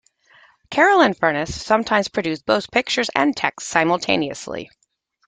Carroll and Furniss sometimes produced both pictures and text simultaneously.